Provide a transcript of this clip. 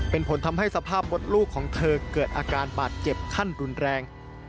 เป็นผลทำให้สภาพมดลูกของเธอเกิดอาการบาดเจ็บขั้นรุนแรง